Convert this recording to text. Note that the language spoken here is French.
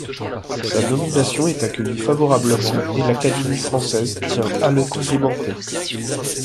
Sa nomination est accueillie favorablement et l’Académie Française tient à le complimenter.